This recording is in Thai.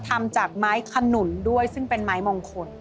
ทำจากไม้ขนุนด้วยซึ่งเป็นไม้มงคล